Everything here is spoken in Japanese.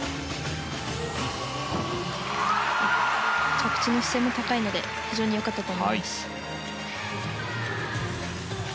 着地の姿勢も高いので非常に良かったと思います。